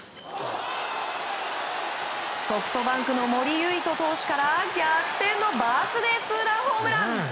ソフトバンクの森唯斗投手から逆転のバースデーツーランホームラン。